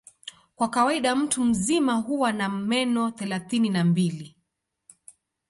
Kwa kawaida mtu mzima huwa na meno thelathini na mbili.